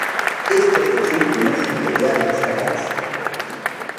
Estos dos últimos lograron escaparse.